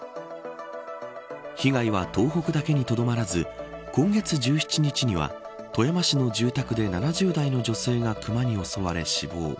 被害は東北だけにとどまらず今月１７日には富山市の住宅で７０代の女性がクマに襲われ死亡。